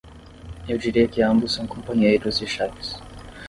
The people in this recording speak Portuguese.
Eu diria que ambos são companheiros e chefes.